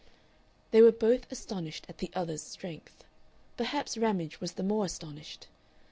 They were both astonished at the other's strength. Perhaps Ramage was the more astonished.